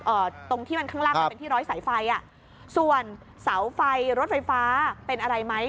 ตรงที่มันข้างล่างมันเป็นที่ร้อยสายไฟอ่ะส่วนเสาไฟรถไฟฟ้าเป็นอะไรไหม